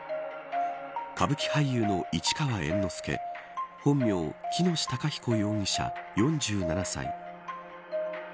歌舞伎俳優の市川猿之助本名、喜熨斗孝彦容疑者４７歳。